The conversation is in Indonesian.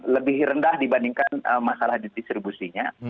lebih rendah dibandingkan masalah distribusinya